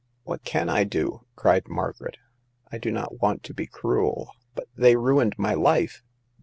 What can I do ?" cried Margaret. I do not want to be cruel, but they ruined my life.